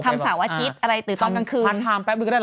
ทำเสาร์อาทิตย์อะไรตื่นตอนกลางคืน